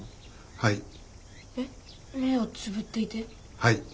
はい。